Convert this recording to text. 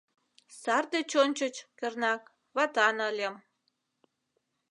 Сар деч ончыч, кернак, ватан ыльым.